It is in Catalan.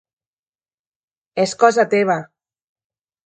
Es cosa teva.